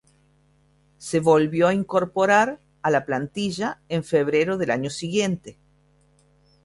Se volvió a incorporar a la plantilla en febrero del año siguiente.